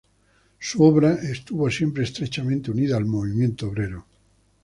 Su obra estuvo siempre estrechamente unida al movimiento obrero.